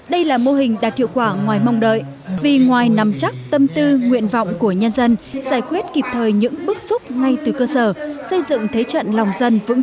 đây là mô hình đạt hiệu quả ngoài mong đợi vì ngoài nắm chắc tâm tư nguyện vọng của nhân dân giải quyết kịp thời những bước xúc ngay từ cơ sở xây dựng thế trận lòng dân vững chắc